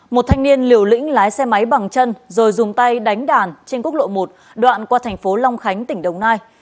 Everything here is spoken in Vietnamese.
một thanh niên liều lĩnh lái xe máy bằng chân rồi dùng tay đánh đàn trên quốc lộ một đoạn qua thành phố long khánh tỉnh đồng nai